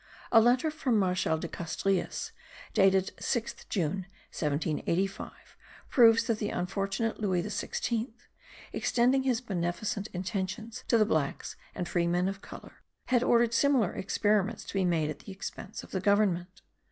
A letter from Marshal de Castries, dated 6th June, 1785, proves that the unfortunate Louis XVI, extending his beneficent intentions to the blacks and free men of colour, had ordered similar experiments to be made at the expense of Government.